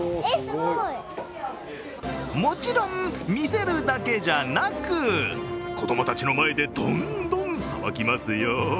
もちろん、見せるだけじゃなく、子供たちの前でどんどんさばきますよ。